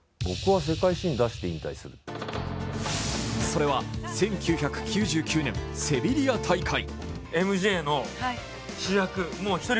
それは１９９９年、セビリア大会。